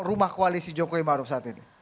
rumah koalisi joko iwano saat ini